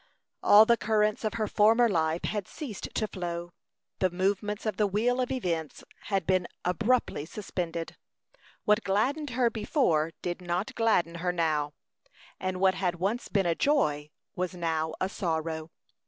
All the currents of her former life had ceased to flow; the movements of the wheel of events had been abruptly suspended. What gladdened her before did not gladden her now, and what had once been a joy was now a sorrow.